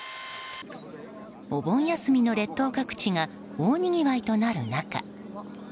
お盆休みの列島各地が大にぎわいとなる中